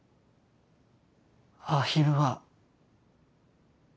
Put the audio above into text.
アヒルは。